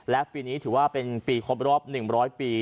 และปีนี้ถือว่าเป็นปีครบรอบ๑๐๐ปี